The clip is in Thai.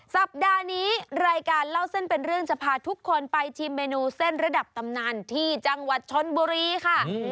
สัปดาห์นี้รายการเล่าเส้นเป็นเรื่องจะพาทุกคนไปชิมเมนูเส้นระดับตำนานที่จังหวัดชนบุรีค่ะ